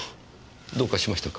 どうかしましたか？